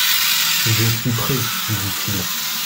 Je suis prêt, dit-il.